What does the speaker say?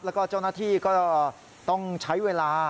แล้วก็เจ้าหน้าที่ก็ต้องใช้เวลา